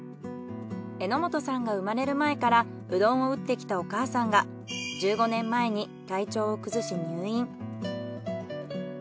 榎本さんが生まれる前からうどんを打ってきたお母さんが１５年前に体調を崩し入院。